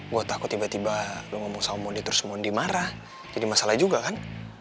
gue takut tiba tiba lo ngomong sama mondi terus mondi marah jadi masalah juga kan